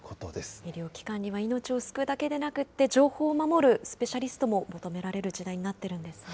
医療機関には命を救うだけではなくって情報を守るスペシャリストも求められる時代になっているんですね。